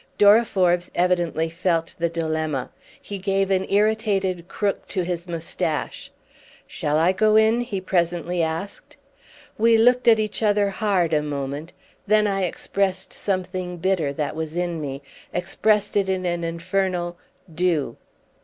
Dora Forbes evidently felt the dilemma; he gave an irritated crook to his moustache. "Shall I go in?" he presently asked. We looked at each other hard a moment; then I expressed something bitter that was in me, expressed it in an infernal "Do!"